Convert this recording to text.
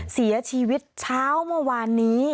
เสียชีวิตเช้าเมื่อวานนี้